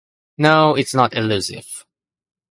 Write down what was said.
No, it's not elusive.